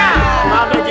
selamat malam ji